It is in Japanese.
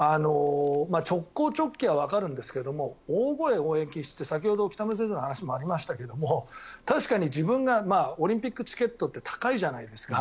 直行直帰はわかるんですが大声応援禁止って先ほど北村先生の話もありましたが確かに自分がオリンピックチケットって高いじゃないですか。